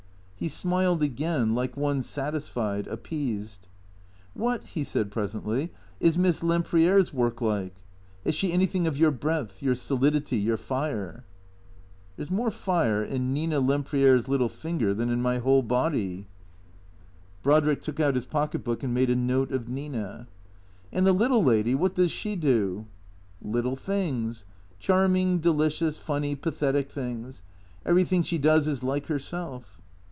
He smiled again, like one satisfied, appeased. " "WHiat," he said presently, " is Miss Lempriere's work like ? Has she anything of your breadth, your solidity, your fire ?"" There 's more fire in Nina Lempriere's little finger than in my whole body." Why do you talk about my heart/ ' THECKEATOES 73 Brodrick took out his pocket book and made a note of ISTina. " And the little lady ? What does she do ?"" Little things. Charming, delicious, funny, pathetic things. Everything she does is like herself."